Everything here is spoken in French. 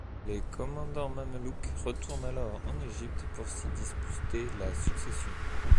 Les commandants mamelouks retournent alors en Égypte pour s'y disputer la succession.